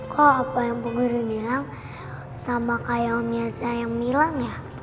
kok apa yang buku ini bilang sama kayak om yelza yang bilang ya